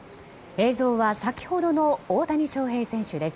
映像は先ほどの大谷翔平選手です。